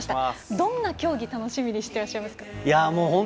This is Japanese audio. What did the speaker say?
どんな競技楽しみにしてらっしゃいますか？